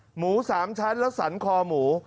หมูสามชั้นและสรรคอหมู